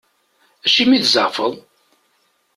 Acimi i tzeɛfeḍ?